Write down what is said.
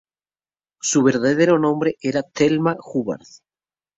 Su verdadero nombre era Thelma Hubbard.